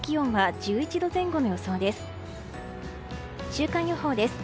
週間予報です。